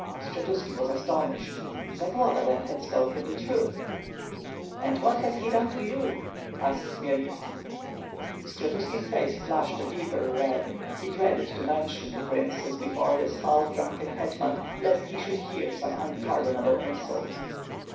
Skshetuski was astonished. Zagloba then had spoken the truth. "And what has he done to you?" asked Khmyelnitski Skshetuski's face flushed a deeper red. He dreaded to mention the princess before this half drunken hetman, lest he should hear some unpardonable insult.